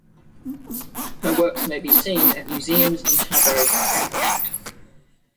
Her works may be seen at museums in Tarbes and Washington.